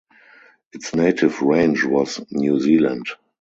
Its native range was New Zealand.